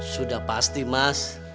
sudah pasti mas